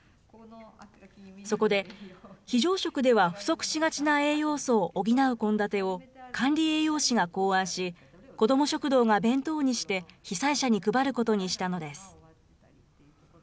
そこで、非常食では不足しがちな栄養素を補う献立を管理栄養士が考案し、子ども食堂が弁当にして被災者に配ることにしたのです。